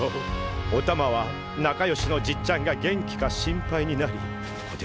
おたまは仲良しのじっちゃんが元気か心配になりこて